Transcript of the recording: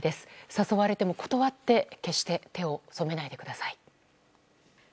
誘われても断って決して手を染めないでください。